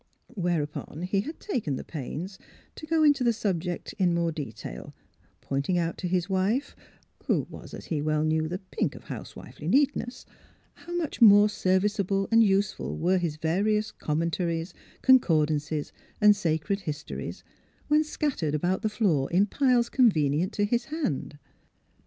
Whereupon he had taken the pains to go into the subject more in detail, pointing out to his wife (who was, as he well knew, the pink of house wifely neatness) how much more serviceable and useful were his various commentaries, concord ances, and sacred histories when scattered about the floor in piles convenient to his hand.